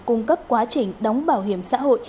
cung cấp quá trình đóng bảo hiểm xã hội